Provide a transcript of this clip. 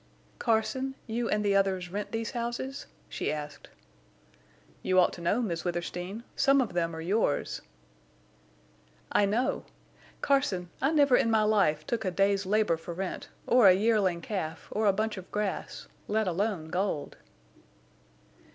"Carson, you and the others rent these houses?" she asked. "You ought to know, Miss Withersteen. Some of them are yours." "I know?... Carson, I never in my life took a day's labor for rent or a yearling calf or a bunch of grass, let alone gold."